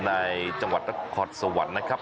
ในจังหวัดนครสวรรค์นะครับ